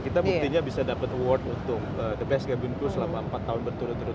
kita buktinya bisa dapat award untuk the best cabin clue selama empat tahun berturut turut